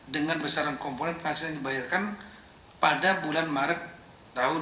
dengan besaran komponen penghasilan dibayarkan pada bulan maret tahun dua ribu dua puluh